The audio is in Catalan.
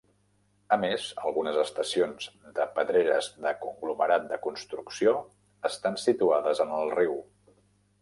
A més, algunes estacions de pedreres de conglomerat de construcció estan situades en el riu.